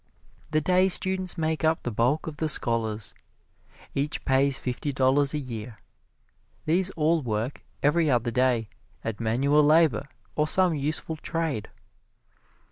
The "day students" make up the bulk of the scholars. Each pays fifty dollars a year. These all work every other day at manual labor or some useful trade.